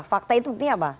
fakta itu buktinya apa